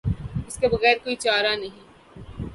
اس کے بغیر کوئی چارہ نہیں۔